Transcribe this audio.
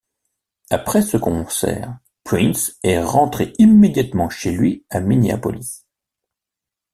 Après ce concert Prince est rentré immédiatement chez lui à Minneapolis.